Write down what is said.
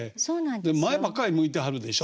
前ばっかり向いてはるでしょ？